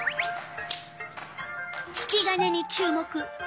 引き金に注目。